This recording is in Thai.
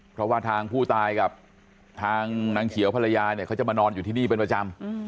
เพราะว่าทางผู้ตายกับทางนางเขียวภรรยาเนี่ยเขาจะมานอนอยู่ที่นี่เป็นประจำ